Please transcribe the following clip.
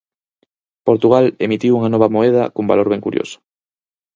Portugal emitiu unha nova moeda cun valor ben curioso.